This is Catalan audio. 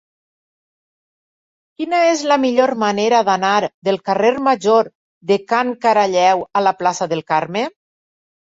Quina és la millor manera d'anar del carrer Major de Can Caralleu a la plaça del Carme?